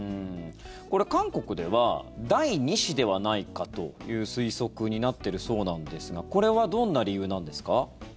これ、韓国では第２子ではないかという推測になってるそうなんですがこれはどんな理由なんですか？